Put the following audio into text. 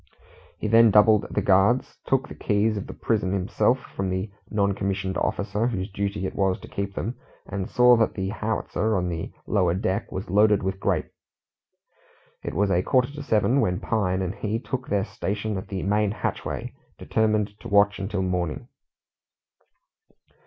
He then doubled the guards, took the keys of the prison himself from the non commissioned officer whose duty it was to keep them, and saw that the howitzer on the lower deck was loaded with grape. It was a quarter to seven when Pine and he took their station at the main hatchway, determined to watch until morning.